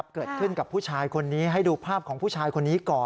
เกิดขึ้นกับผู้ชายคนนี้ให้ดูภาพของผู้ชายคนนี้ก่อน